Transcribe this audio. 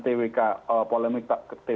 lebih jelas lebih clear gitu perkaitan